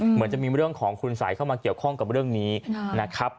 เหมือนจะมีเรื่องของคุณสัยเข้ามาเกี่ยวข้องกับเรื่องนี้นะครับ